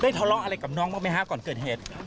ทะเลาะอะไรกับน้องบ้างไหมฮะก่อนเกิดเหตุ